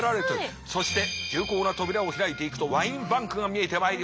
そして重厚な扉を開いていくとワインバンクが見えてまいりました。